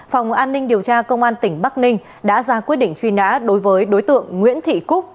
phòng an ninh điều tra công an tỉnh bắc ninh đã ra quyết định truy nã đối với đối tượng nguyễn thị cúc